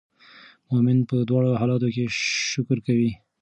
مؤمن په دواړو حالاتو کې شکر کوي.